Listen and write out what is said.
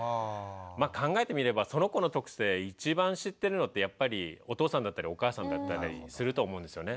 まあ考えてみればその子の特性一番知ってるのってやっぱりお父さんだったりお母さんだったりすると思うんですよね。